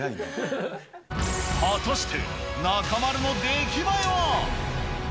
果たして中丸の出来栄えは。